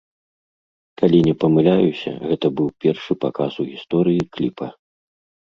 Калі не памыляюся, гэта быў першы паказ у гісторыі кліпа.